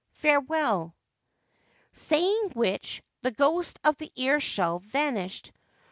Farewell !' Saying which, the ghost of the ear shell vanished.